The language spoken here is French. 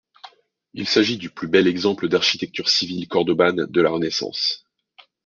Il s'agit du plus bel exemple d'architecture civile cordobane de la Renaissance.